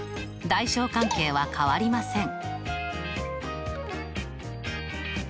大小関係は変わりません。